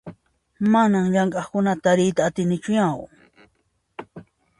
Manan llamk'aqkunata tariyta atinichu yau!